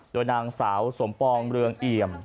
โดยนางสาวสมปองเรืองเอี่ยม